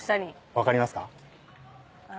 分かりますか？